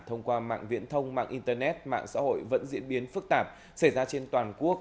thông qua mạng viễn thông mạng internet mạng xã hội vẫn diễn biến phức tạp xảy ra trên toàn quốc